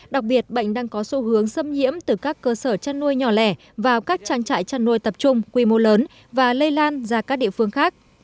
đặc biệt bệnh đang có xu hướng xâm nhiễm từ các cơ sở chăn nuôi nhỏ lẻ vào các trang trại chăn nuôi tập trung quy mô lớn và lây lan ra các địa phương khác